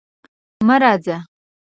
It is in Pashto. مه راځه!